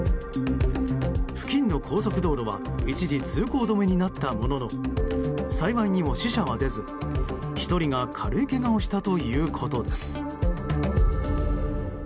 付近の高速道路は一時、通行止めになったものの幸いにも死者は出ず、１人が軽いけがをしたということです。